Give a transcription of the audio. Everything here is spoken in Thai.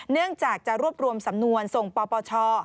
เนื่องจากจะรวบรวมสำนวนส่งปปช